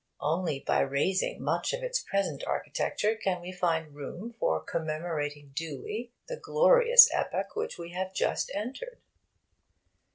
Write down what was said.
Only by rasing much of its present architecture can we find room for commemorating duly the glorious epoch which we have just entered.